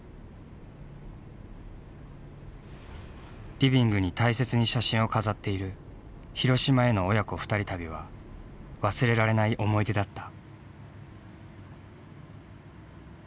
リビングに大切に写真を飾っている広島への親子２人旅は忘れられない思い出だった。